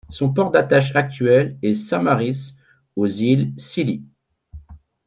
Son port d'attache actuel est St Mary's aux Îles Scilly.